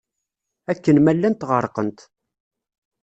Akken ma llant ɣerqent.